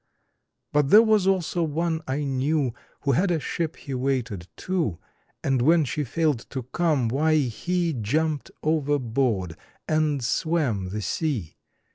But there was also one I knew Who had a ship he waited, too, And when she failed to come, why he Jumped overboard and swam the sea.